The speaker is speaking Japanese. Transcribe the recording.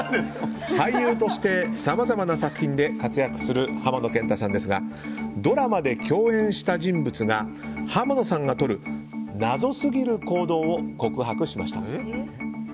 俳優としてさまざまな作品で活躍する浜野謙太さんですがドラマで共演した人物が浜野さんがとる謎すぎる行動を告白しました。